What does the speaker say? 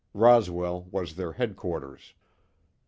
Roswell was their headquarters.